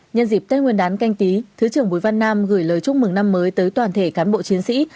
nhân dịp tết nguyên đán canh tí thứ trưởng bùi văn nam gửi lời chúc mừng năm mới tới toàn thể cán bộ chiến sĩ